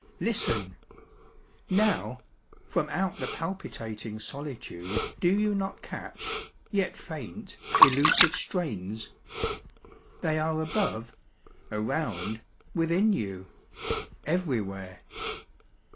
Listen! Now, From out the palpitating solitude Do you not catch, yet faint, elusive strains? They are above, around, within you, everywhere.